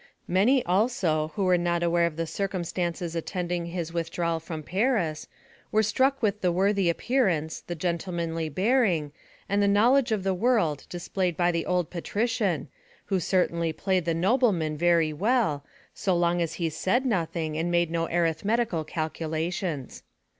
Many, also, who were not aware of the circumstances attending his withdrawal from Paris, were struck with the worthy appearance, the gentlemanly bearing, and the knowledge of the world displayed by the old patrician, who certainly played the nobleman very well, so long as he said nothing, and made no arithmetical calculations.